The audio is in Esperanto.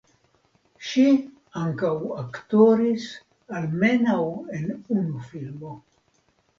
Ŝi ankaŭ aktoris almenaŭ en unu filmo.